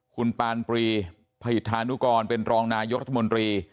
คุณปานปรีพหิตธานุกรเป็นรองนายกรัฐมนตรี